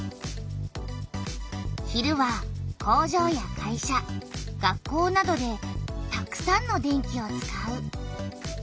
昼は工場や会社学校などでたくさんの電気を使う。